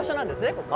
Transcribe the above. ここ。